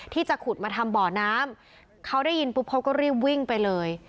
ที่จะขุดมาทำบ่อน้ำเขาได้ยินปุ๊บเขาก็รีบวิ่งไปเลย